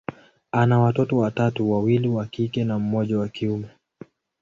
ana watoto watatu, wawili wa kike na mmoja wa kiume.